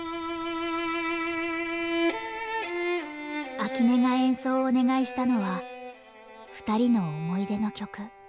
秋音が演奏をお願いしたのは２人の思い出の曲。